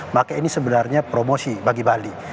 maka ini sebenarnya promosi bagi bali